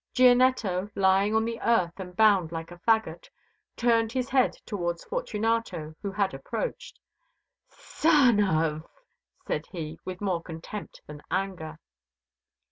Gianetto, lying on the earth and bound like a fagot, turned his head towards Fortunato, who had approached. "Son of !" said he, with more contempt than anger.